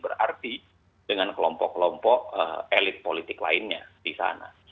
berarti dengan kelompok kelompok elit politik lainnya di sana